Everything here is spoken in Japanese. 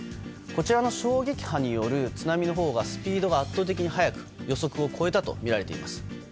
こちらの衝撃波による津波のほうがスピードが圧倒的に速く予測を超えたとみられています。